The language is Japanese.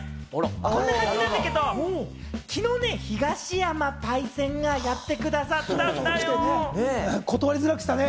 こんな感じなんだけど、昨日ね、東山パイセンがやってくださった断りづらくしたね。